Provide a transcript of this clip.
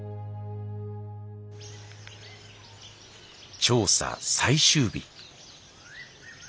調査最終日。